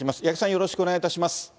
八木さん、よろしくお願いいたします。